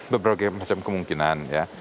beberapa macam kemungkinan ya